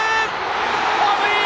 ホームイン！